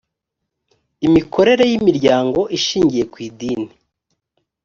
imikorere y imiryango ishingiye ku idini